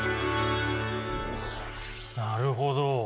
なるほど。